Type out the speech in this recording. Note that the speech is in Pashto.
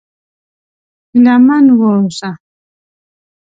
هيله من و اوسه!